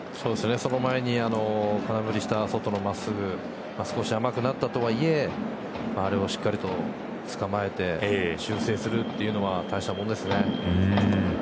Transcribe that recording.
その前に空振りした外の真っすぐ少し甘くなったとはいえあれをしっかりと捕まえて修正するというのは大したもんですね。